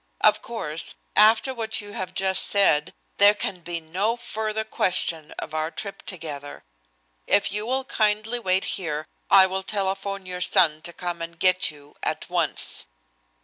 Of course, after what you have just said, there can be no further question of our trip together. If you will kindly wait here I will telephone your son to come and get you at once."